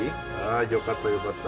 あよかったよかった！